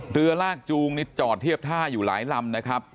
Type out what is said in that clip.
เรือลากจูงนี่จอดเทียบท่าอยู่หลายลำนะครับ